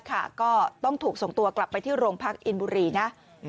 ก็ต้องถูกส่งตัวกลับไปที่โรงพักอินบุรีนะ